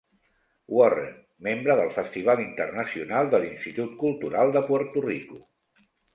Warren, membre del Festival Internacional de l'Institut Cultural de Puerto Rico.